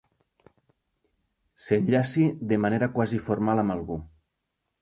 S'enllaci de manera quasi formal amb algú.